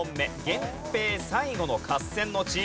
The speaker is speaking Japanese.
源平最後の合戦の地。